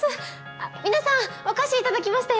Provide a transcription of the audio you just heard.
あっ皆さんお菓子頂きましたよ。